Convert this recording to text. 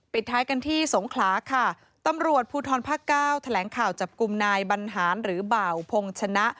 ท้ายกันที่สงขลาค่ะตำรวจภูทรภาคเก้าแถลงข่าวจับกลุ่มนายบรรหารหรือบ่าวพงชนะ